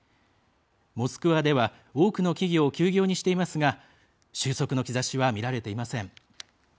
モスクワでは多くの企業を休業にしていますが収束の兆しは見られていません。